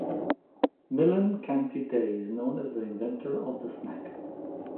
Milon Kanti Dey is known as the inventor of the snack.